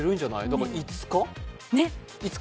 だから５日？